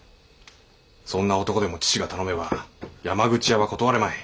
そんな男でも義父が頼めば山口屋は断れまい。